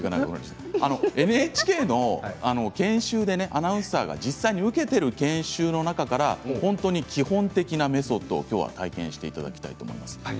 ＮＨＫの研修でアナウンサーが実際に受けている研修の中から本当に基本的なメソッドを体験していただきたいと思います。